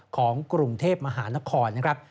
ของกรุงเทพมหานครนะครับ